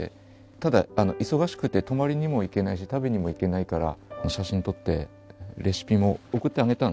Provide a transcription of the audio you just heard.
ただ忙しくて泊まりにも行けないし食べにも行けないから写真撮ってレシピも送ってあげたんですよ。